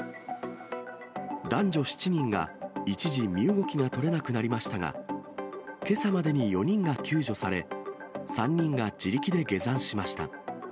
男女７人が一時身動きが取れなくなりましたが、けさまでに４人が救助され、３人が自力で下山しました。